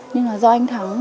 nhưng là do anh thắng